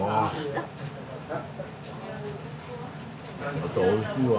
あまたおいしいわ。